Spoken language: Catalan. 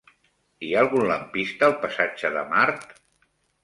Hi ha algun lampista al passatge de Mart?